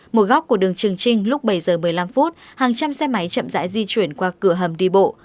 một góc của đường trừng trinh lúc bảy h một mươi năm hàng trăm xe máy chậm dãi di chuyển qua cửa hầm đi bộ